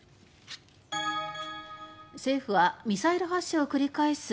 政府は、ミサイル発射を繰り返す